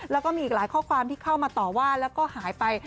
แล้วก็มีอีกหลายข้อความที่เข้ามาต่อว่าแล้วก็หายไป